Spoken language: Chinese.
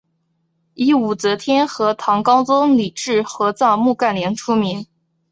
以武则天和唐高宗李治合葬墓干陵出名。